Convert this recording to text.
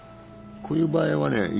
こういう場合はね